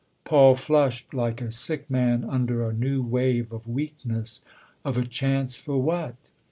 Paul flushed like a sick man under a new wave of weakness. " Of a chance for what